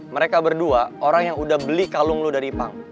mereka berdua orang yang udah beli kalung lu dari pang